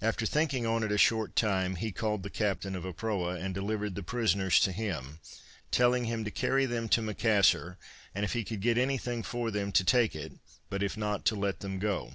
After thinking on it a short time, he called the captain of a proa, and delivered the prisoners to him, telling him to carry them to Macassar, and if he could get anything for them to take it, but if not to let them go.